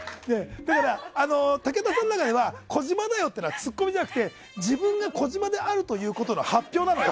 武田さんの中では児嶋だよっていうのはツッコミじゃなくて自分が児嶋であることの発表なのよ。